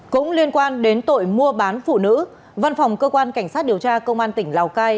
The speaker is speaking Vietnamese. cũng liên quan đến tội mua bán phụ nữ văn phòng cơ quan cảnh sát điều tra công an tỉnh lào cai